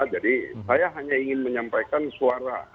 jadi saya hanya ingin menyampaikan suara